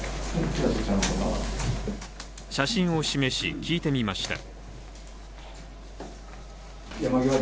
写真を示し、聞いてみました。